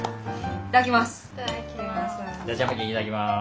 いただきます。